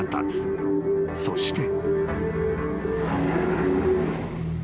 ［そして］